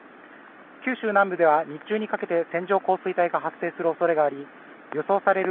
九州南部では日中にかけて線状降水帯が発生する恐れがあり予想される